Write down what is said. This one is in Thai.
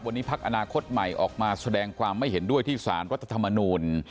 วันนี้พักอนาคตใหม่ออกมาแสดงความไม่เห็นด้วยที่สารรัฐธรรมนูล